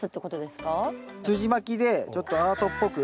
すじまきでちょっとアートっぽく。